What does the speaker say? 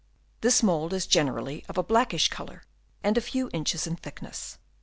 This mould is generally of a blackish colour and a few inches in thickness.